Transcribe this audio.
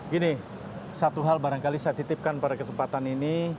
gini satu hal barangkali saya titipkan pada kesempatan ini